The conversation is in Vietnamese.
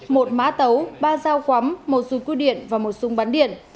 một má tấu ba dao quắm một súng quy điện và một súng bắn điện